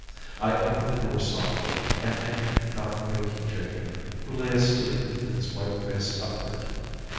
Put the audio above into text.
I opened the door softly, and entered without waking Jacob, who lay asleep with his white face upward.